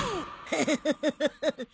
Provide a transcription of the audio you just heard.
フフフフフフッ！